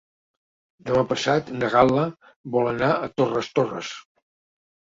Demà passat na Gal·la vol anar a Torres Torres.